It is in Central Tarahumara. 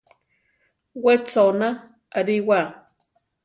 We chona ariwa.